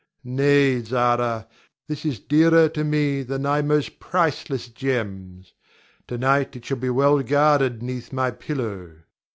Nay, Zara, this is dearer to me than thy most priceless gems. To night it shall be well guarded 'neath my pillow.